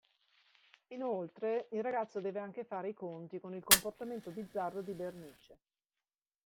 Inoltre, il ragazzo deve anche fare i conti con il comportamento bizzarro di Bernice.